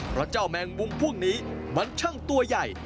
เพราะเจ้าแมงมุมพวกนี้มันช่างตัวใหญ่